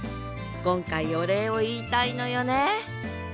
今回お礼を言いたいのよね